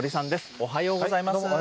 おはようございます。